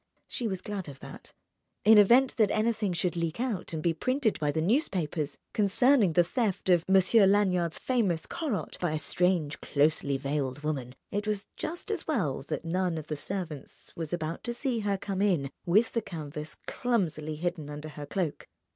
She was glad of that. In event that anything should leak out and be printed by the newspapers concerning the theft of Monsieur Lanyard's famous "Corot" by a strange, closely veiled woman, it was just as well that none of the servants was about to see her come in with the canvas clumsily hidden under her cloak.